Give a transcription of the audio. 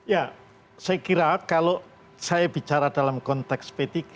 ya saya kira kalau saya bicara dalam konteks p tiga